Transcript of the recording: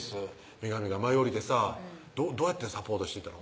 女神が舞い降りてさどうやってサポートしていったの？